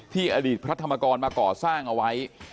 อดีตพระธรรมกรมาก่อสร้างเอาไว้